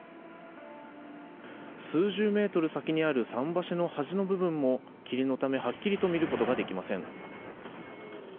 数十メートル先にある桟橋の端の部分も霧のためはっきりと見ることができません。